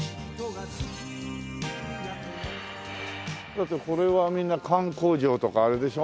だってこれはみんな缶工場とかあれでしょ？